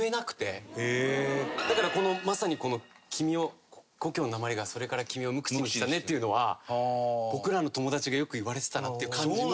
だからまさにこの故郷のなまりがそれから君を無口にしたねっていうのは僕らの友達がよく言われてたなっていう感じの。